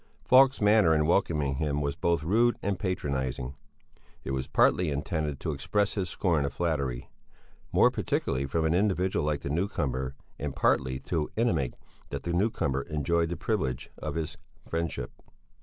Falk's manner in welcoming him was both rude and patronizing; it was partly intended to express his scorn of flattery, more particularly from an individual like the newcomer, and partly to intimate that the newcomer enjoyed the privilege of his friendship.